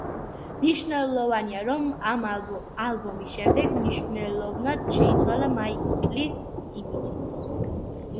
მნიშვნელოვანია, რომ ამ ალბომის შემდეგ მნიშვნელოვნად შეიცვალა მაიკლის იმიჯიც.